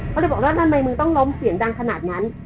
เขาเลยบอกว่าทำไมมึงต้องล้มเสียงดังขนาดนั้น